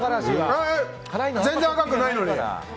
全然赤くないのに！